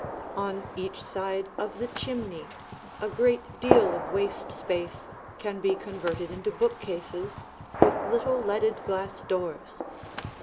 On each side of the chimney a great deal of waste space can be converted into bookcases, with little, leaded, glass doors.